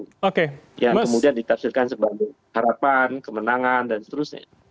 yang kemudian ditafsirkan sebagai harapan kemenangan dan seterusnya